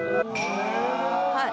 はい。